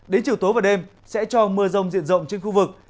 đến chiều tối và đêm sẽ cho mưa rông diện rộng trên khu vực